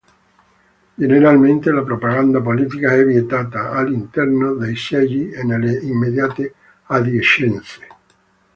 Generalmente la propaganda politica è vietata all'interno dei seggi e nelle immediate adiacenze.